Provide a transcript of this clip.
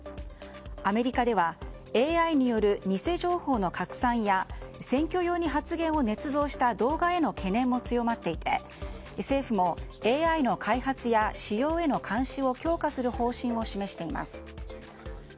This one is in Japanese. アメリカではＡＩによる偽情報の拡散や選挙用に発言をねつ造した動画への懸念も強まっていて政府も、ＡＩの開発や使用への監視を強化する方針を示しています。